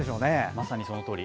まさにそのとおり。